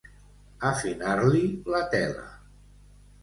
Afinar-li la tela.